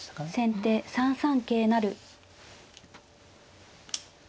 先手３三桂成。